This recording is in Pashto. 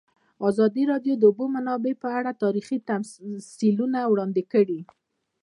ازادي راډیو د د اوبو منابع په اړه تاریخي تمثیلونه وړاندې کړي.